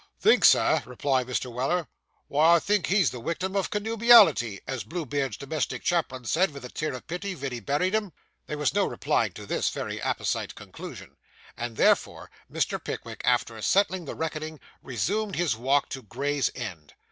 'Think, Sir!' replied Mr. Weller; 'why, I think he's the wictim o' connubiality, as Blue Beard's domestic chaplain said, vith a tear of pity, ven he buried him.' There was no replying to this very apposite conclusion, and, therefore, Mr. Pickwick, after settling the reckoning, resumed his walk to Gray's Inn.